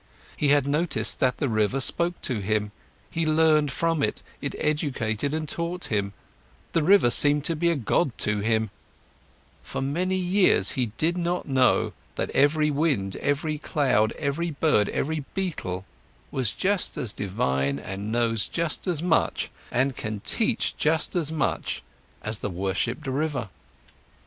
He had noticed that the river spoke to him, he learned from it, it educated and taught him, the river seemed to be a god to him, for many years he did not know that every wind, every cloud, every bird, every beetle was just as divine and knows just as much and can teach just as much as the worshipped river.